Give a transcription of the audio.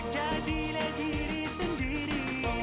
jadilah diri sendiri